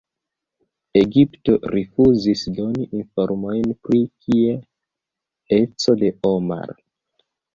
Egipto rifuzis doni informojn pri kie-eco de Omar.